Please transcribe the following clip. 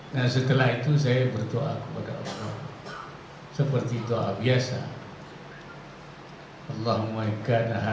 nah setelah itu saya bertuah kepada allah